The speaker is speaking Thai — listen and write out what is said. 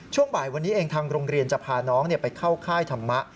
ช่วงบ่ายวันนี้เองทางโรงเรียนจะพาน้องไปเข้าค่ายธรรมะ